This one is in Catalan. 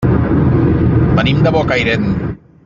Venim de Bocairent.